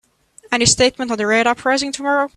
Any statement on the Red uprising tomorrow?